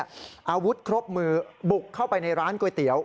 อาวุธครบมือบุกเข้าไปในร้านก๋วยเตี๋ยว